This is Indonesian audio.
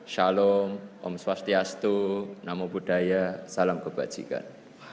shalom om swastiastu namo buddhaya salam kebajikan